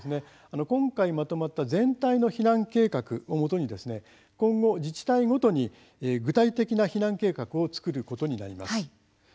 今回まとまった全体の避難計画をもとに今後、自治体ごとに具体的な避難計画を作ることになります。